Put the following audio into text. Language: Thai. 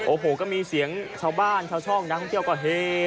โอ้โหก็มีเสียงชาวบ้านชาวช่องนักท่องเที่ยวก็เฮ